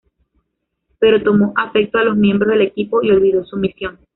Pero tomó afecto a los miembros del equipo y olvidó su misión.